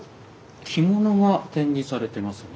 着物が展示されてますね。